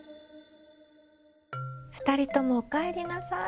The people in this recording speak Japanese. ふたりともおかえりなさい。